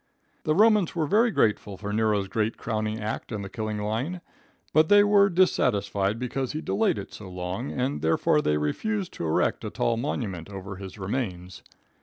The Romans were very grateful for Nero's great crowning act in the killing line, but they were dissatisfied because he delayed it so long, and therefore they refused to erect a tall monument over his remains.